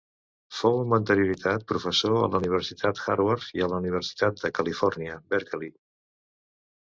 Fou amb anterioritat professor a la Universitat Harvard i a la Universitat de Califòrnia, Berkeley.